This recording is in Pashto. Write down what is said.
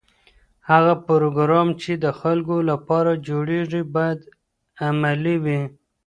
هغه پروګرام چې د خلکو لپاره جوړیږي باید عملي وي.